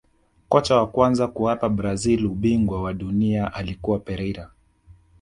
kocha wa kwanza kuwapa brazil ubingwa wa dunia alikuwa Pereira